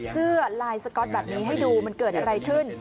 เสื้อลายสก๊อตแบบนี้ให้ดูมันเกิดอะไรขึ้น